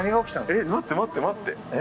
えっ待って待って待って。